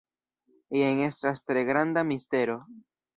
Jen estas tre granda mistero.